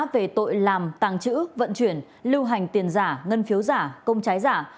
về tội làm tàng trữ vận chuyển lưu hành tiền giả ngân phiếu giả công trái giả